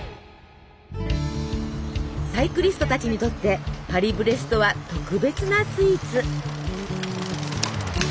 サイクリストたちにとってパリブレストは特別なスイーツ。